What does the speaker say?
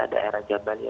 di daerah jabalia